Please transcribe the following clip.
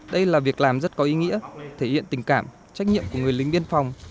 đây là việc làm rất có ý nghĩa thể hiện tình cảm trách nhiệm của người lính biên phòng